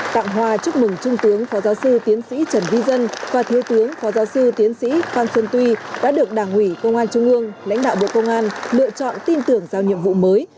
tặng hòa chúc mừng trung tướng phó giáo sư tiến sĩ trần huy dân và thiếu tướng phó giáo sư tiến sĩ phan xuân tuy đã được đảng ủy công an trung ương lãnh đạo bộ công an lựa chọn tin tưởng giao nhiệm vụ mới